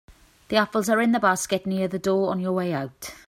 The apples are in the basket near the door on your way out.